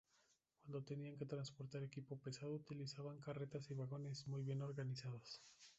Cuando tenían que transportar equipo pesado, utilizaban carretas y vagones, muy bien organizados.